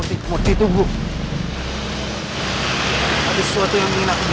kamu tak kelihatan bahwareallyanaksi